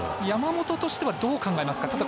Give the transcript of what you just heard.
山本としてはどう考えますか。